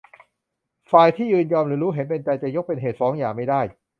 ฝ่ายที่ยินยอมหรือรู้เห็นเป็นใจจะยกเป็นเหตุฟ้องหย่าไม่ได้